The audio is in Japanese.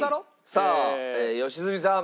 さあ良純さん。